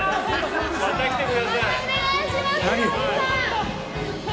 また来てください！